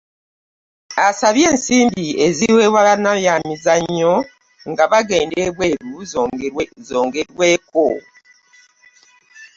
Asabye ensimbi eziweebwa bannabyamizannyo nga bagenda ebweru zongerweko